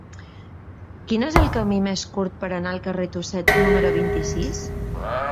Quin és el camí més curt per anar al carrer de Tuset número vint-i-sis?